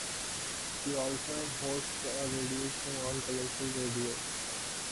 She also and hosts a radio show on Colourful Radio.